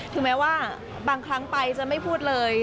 ถึงแม้ว่าบางครั้งไปจะไม่พูดเลย